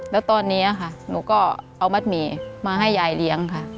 แล้วตอนนี้ค่ะหนูก็เอามัดหมี่มาให้ยายเลี้ยงค่ะ